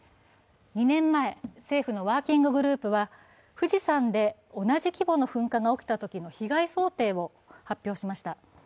２年前、政府のワーキンググループは富士山で同じ規模の噴火が起きたときの被害想定を発表しました。